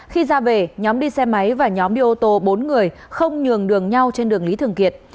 khi ra về nhóm đi xe máy và nhóm đi ô tô bốn người không nhường đường nhau trên đường lý thường kiệt